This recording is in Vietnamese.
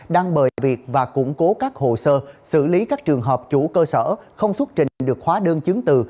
đang bởi việc và củng cố các hồ sơ xử lý các trường hợp chủ cơ sở không xuất trình được khóa đơn chứng từ